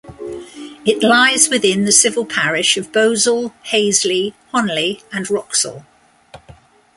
It lies within the civil parish of Beausale, Haseley, Honiley and Wroxall.